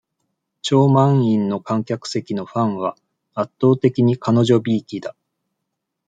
超満員の観客席のファンは、圧倒的に彼女びいきだ。